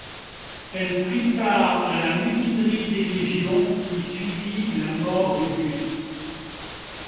Elle prit part à la mutinerie des légions qui suivit la mort d’Auguste.